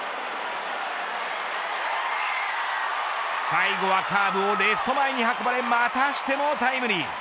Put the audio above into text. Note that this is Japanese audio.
最後はカーブをレフト前に運ばれまたしてもタイムリー。